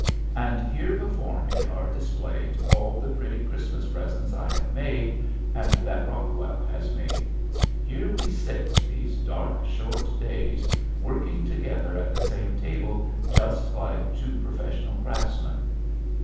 And here before me are displayed all the pretty Christmas presents I have made and that Rockwell has made. Here we sit, these dark short days, working together at the same table just like two professional craftsmen.